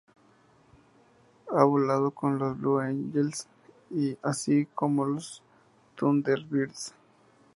Ha volado con los Blue Angels, así como los Thunderbirds.